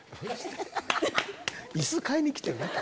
椅子買いに来てるだけや。